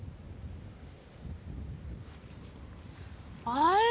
あれ？